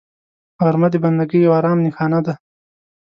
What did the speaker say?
غرمه د بندګۍ او آرام نښانه ده